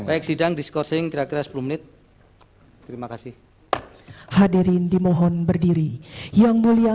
baik terima kasih yang mulia